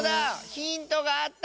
ヒントがあった！